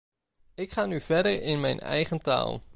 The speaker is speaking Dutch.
Ik ga nu verder in mijn eigen taal.